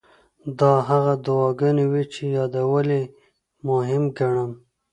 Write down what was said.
دا هغه دعاګانې وې چې یادول یې مهم ګڼم.